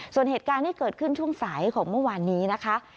ส่วนเหตุการณ์ที่เกิดขึ้นช่วงสายของเมื่อวานนี้นะคะ